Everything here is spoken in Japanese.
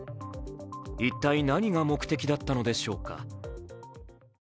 一体何が目的だったのでしょうか。